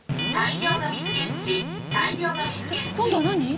今度は何！？